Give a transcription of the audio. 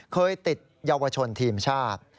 เคยติดเยาวชนทีมชาติ